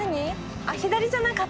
あっ左じゃなかった。